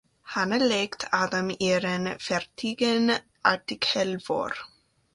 Hanna legt Adam ihren fertigen Artikel vor.